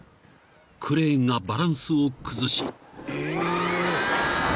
［クレーンがバランスを崩し］